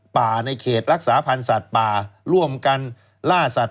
ปืนอะไรปืนล่าสัตว์